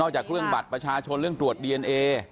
จากเรื่องบัตรประชาชนเรื่องตรวจดีเอนเอ